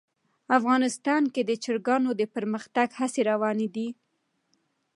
افغانستان کې د چرګانو د پرمختګ هڅې روانې دي.